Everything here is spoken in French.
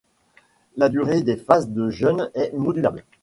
La durée des phases de jeûne est modulable.